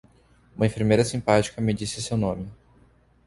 Uma enfermeira simpática me disse seu nome.